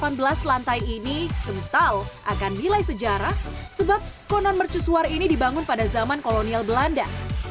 delapan belas lantai ini kental akan nilai sejarah sebab konon mercusuar ini dibangun pada zaman kolonial belanda